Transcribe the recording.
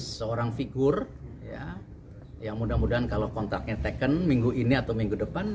seorang figur yang mudah mudahan kalau kontraknya teken minggu ini atau minggu depan